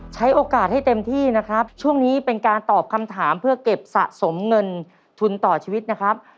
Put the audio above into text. ใช้โอกาสให้เต็มที่นะครับช่วงนี้เป็นการตอบคำถามเพื่อเก็บสะสมเงินทุนต่อชีวิตนะครับ